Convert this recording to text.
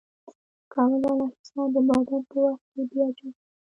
د کابل بالا حصار د بابر په وخت کې بیا جوړ شو